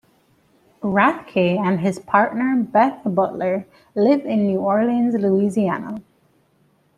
Rathke and his partner, Beth Butler, live in New Orleans, Louisiana.